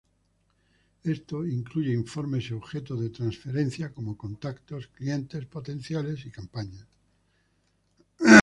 Esto incluye informes y objetos de transferencia, como contactos, clientes potenciales y campañas.